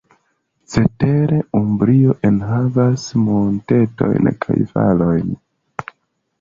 Cetere, Umbrio enhavas montetojn kaj valojn.